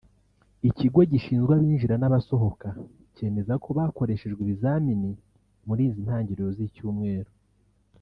Ikigo gishinzwe Abinjira n’Abasohoka cyemeza ko bakoreshejwe ibizamini muri izi ntangiriro z’icyumweru